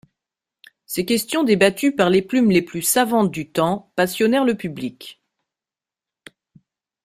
Ces questions, débattues par les plumes les plus savantes du temps, passionnèrent le public.